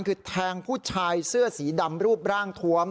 คือแทงผู้ชายเสื้อสีดำรูปร่างทวม